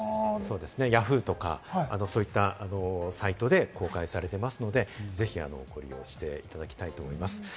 Ｙａｈｏｏ！とかそういったサイトで公開されていますので、ぜひご利用していただきたいと思います。